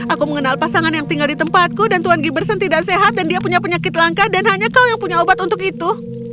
aku mengenal pasangan yang tinggal di tempatku dan tuan giberson tidak sehat dan dia punya penyakit langka dan hanya kau yang punya obat untuk itu